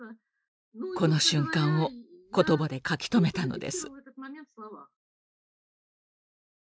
この瞬間を言葉で書き留めたのです。